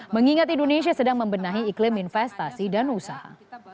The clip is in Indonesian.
mengingat indonesia sedang membenahi iklim investasi dan usaha